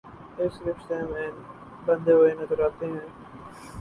اس رشتے میں بندھے ہوئے نظرآتے ہیں